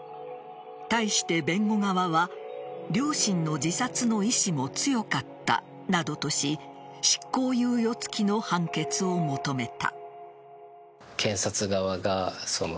対して、弁護側は両親の自殺の意思も強かったなどとし執行猶予付きの判決を求めた。